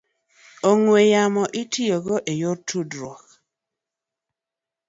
ong'we yamo itiyogo e yor tudruok.